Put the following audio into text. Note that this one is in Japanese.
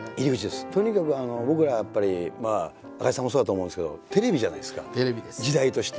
とにかく僕らはやっぱり赤井さんもそうだと思うんですけどテレビじゃないですか時代として。